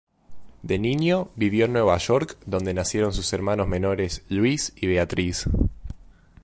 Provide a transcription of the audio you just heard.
De niño, vivió en Nueva York, donde nacieron sus hermanos menores Luis y Beatriz.